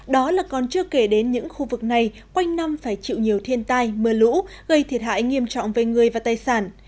đó là còn chưa kể đến những khu vực này quanh năm phải chịu nhiều thiên tai mưa lũ gây thiệt hại nghiêm trọng về người và tài sản